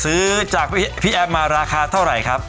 ซื้อจากพี่แอฟมาราคาเท่าไหร่ครับ